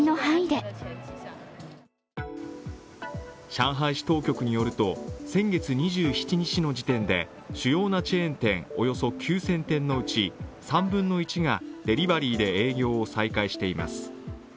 上海市当局によると先月２７日の時点で主要なチェーン店およそ９０００店のうち３分の１がデリバリーで営業を再開しています。